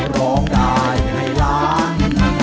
ร้องได้ให้ล้าน